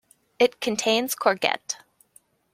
It contains courgette.